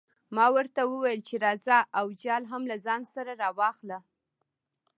ما ورته وویل چې راځه او جال هم له ځان سره راواخله.